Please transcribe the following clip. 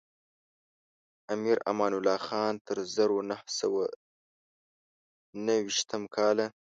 امیر امان الله خان تر زرو نهه سوه نهه ویشتم کاله.